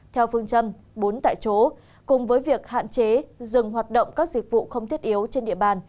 theo phương châm bốn tại chỗ cùng với việc hạn chế dừng hoạt động các dịch vụ không thiết yếu trên địa bàn